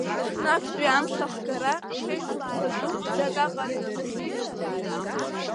Ҽнактәи амш ахгара шеишықәса дуӡӡак аҟара ирзыхьамҭан.